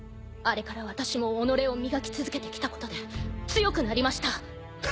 あれから私も己を磨き続けてきたことで強くなりました。